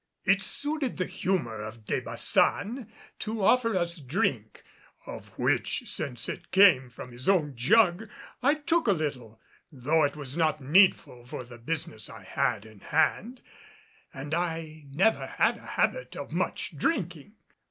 It suited the humor of De Baçan to offer us drink; of which, since it came from his own jug, I took a little, though it was not needful for the business I had in hand, and I never had a habit of much drinking.